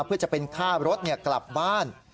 เพื่อจะเป็นค่ารถกลับบ้าน